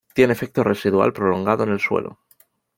Tiene efecto residual prolongado en el suelo.